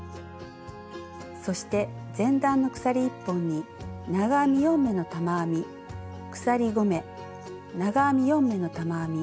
そして前段の鎖１本に長編み４目の玉編み鎖５目長編み